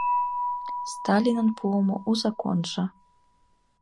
Сталинын пуымо у законжо